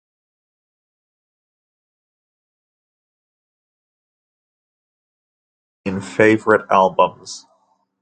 Rush bassist Geddy Lee ranked this as one of his top fifteen favorite albums.